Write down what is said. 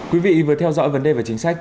quý vị vừa theo dõi vấn đề về chính sách